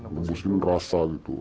nembusin rasa gitu